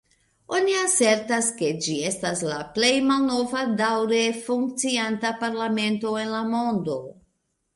Oni asertas, ke ĝi estas la plej malnova daŭre funkcianta parlamento en la mondo.